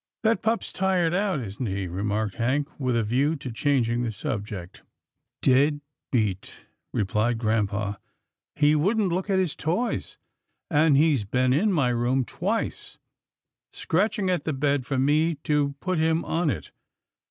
That pup's tired out, isn't he? " remarked Hank with a view to changing the subject. " Dead beat," replied grampa. He wouldn't look at his toys, and he's been in my room twice, scratching at the bed for me to put him on it.